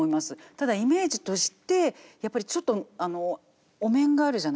ただイメージとしてやっぱりちょっとお面があるじゃないですか。